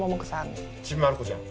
「ちびまる子ちゃん」。